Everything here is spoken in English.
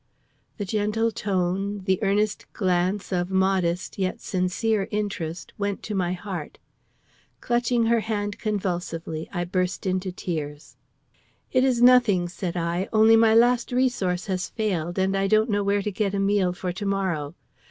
The gentle tone, the earnest glance of modest yet sincere interest, went to my heart. Clutching her hand convulsively, I burst into tears. "It is nothing," said I; "only my last resource has failed, and I don't know where to get a meal for to morrow.